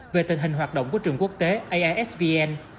về tình hình hoạt động của trường quốc tế aisvn